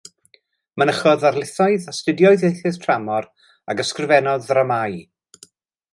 Mynychodd ddarlithoedd, astudiodd ieithoedd tramor, ac ysgrifennodd ddramâu.